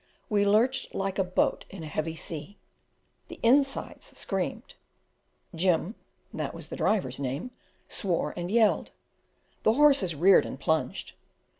We lurched like a boat in a heavy sea; the "insides" screamed; "Jim" (that was the driver's name) swore and yelled; the horses reared and plunged.